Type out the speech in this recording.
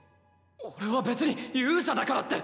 俺は別に勇者だからって。